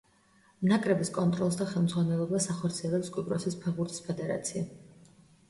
ნაკრების კონტროლს და ხელმძღვანელობას ახორციელებს კვიპროსის ფეხბურთის ფედერაცია.